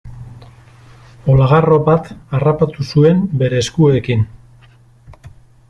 Olagarro bat harrapatu zuen bere eskuekin.